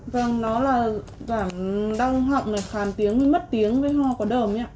vâng nó là giảm đau họng khàn tiếng mất tiếng với ho có đờm ý ạ